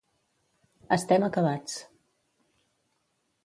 Estem acabats.